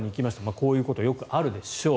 こういうことはよくあるでしょう。